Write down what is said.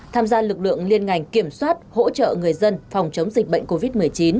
tham gia lực lượng liên ngành kiểm soát hỗ trợ người dân phòng chống dịch bệnh covid một mươi chín